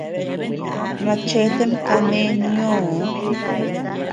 Machetem kane nioo.